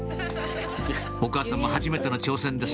お母さんも初めての挑戦です